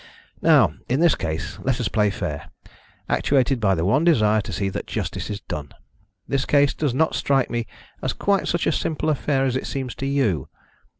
Now, in this case, let us play fair, actuated by the one desire to see that justice is done. This case does not strike me as quite such a simple affair as it seems to you.